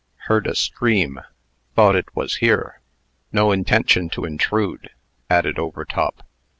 "Heard a scream thought it was here no intention to intrude," added Overtop.